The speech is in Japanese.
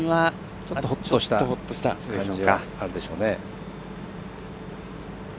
ちょっとほっとした感じはあるでしょうね。